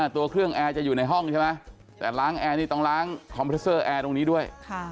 ตัวเครื่องแอร์จะอยู่ในห้องใช่ไหมแต่ล้างแอร์นี่ต้องล้างคอมพิวเซอร์แอร์ตรงนี้ด้วย